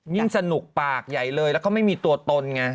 สนุกปากใหญ่เลยแล้วก็ไม่มีตัวตนไง